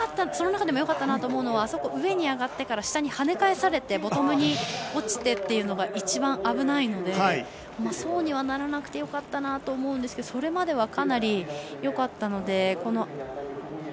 その中でもよかったなと思うのは上に上がってから下に跳ね返されてボトムに落ちてっていうのが一番危ないのでそうはならなくてよかったなと思うんですけどそれまではかなりよかったので。